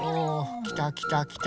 きたきたきた。